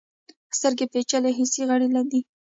سترګې پیچلي حسي غړي دي.